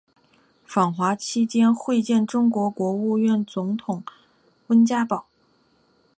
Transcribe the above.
访华期间会见中国国务院总理温家宝。